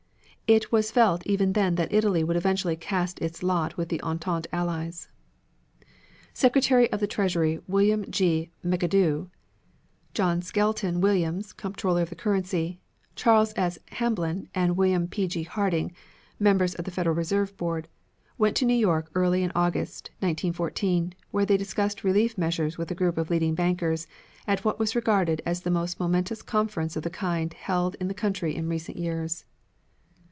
It was felt even then that Italy would eventually cast its lot with the Entente Allies. Secretary of the Treasury William G. McAdoo; John Skelton Williams, Comptroller of the Currency; Charles S. Hamblin and William P. G. Harding, members of the Federal Reserve Board, went to New York early in August, 1914, where they discussed relief measures with a group of leading bankers at what was regarded as the most momentous conference of the kind held in the country in recent years.